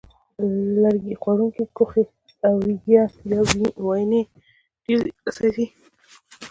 لرګي خوړونکي کوخۍ او وېږیان یا واینې ډېر زیان رسوي.